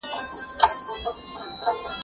زه چپنه نه پاکوم؟!